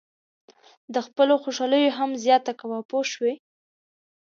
د خپلو خوشالیو هم زیاته کوئ پوه شوې!.